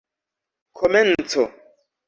komenco